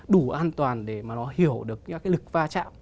đủ an toàn để mà nó hiểu được những cái lực va chạm